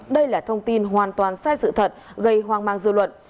đây là thông tin hoàn toàn sai sự thật gây hoang mang dư luận